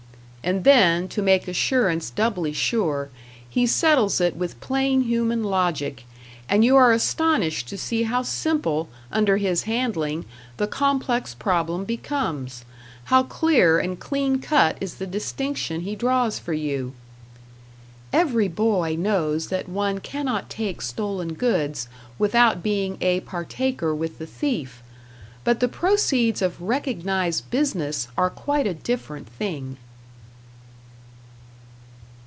And then, to make assurance doubly sure, he settles it with plain human logic; and you are astonished to see how simple, under his handling, the complex problem becomes how clear and clean cut is the distinction he draws for you: Every boy knows that one cannot take stolen goods without being a partaker with the thief. But the proceeds of recognized business are quite a different thing.